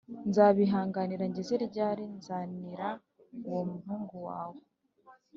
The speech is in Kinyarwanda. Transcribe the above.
Nzabihanganira ngeze ryari Nzanira uwo muhungu wawe